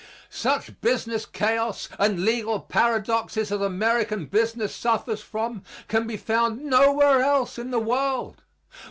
Such business chaos and legal paradoxes as American business suffers from can be found nowhere else in the world.